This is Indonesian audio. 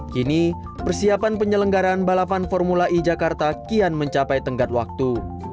kini persiapan penyelenggaraan balapan formula e jakarta kian mencapai tenggat waktu